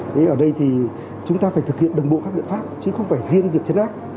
thế ở đây thì chúng ta phải thực hiện đồng bộ các biện pháp chứ không phải riêng việc chấn áp